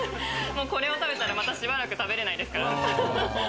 これを食べたら、しばらく食べれないですから。